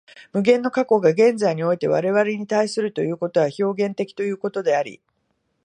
無限の過去が現在において我々に対するということは表現的ということであり、